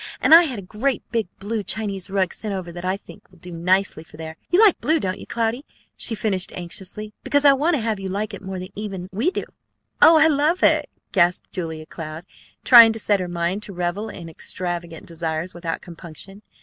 And I had a great big blue Chinese rug sent over that I think will do nicely for there. You like blue, don't you, Cloudy?" she finished anxiously. "Because I want to have you like it more even than we do." "Oh, I love it!" gasped Julia Cloud, trying to set her mind to revel in extravagant desires without compunction.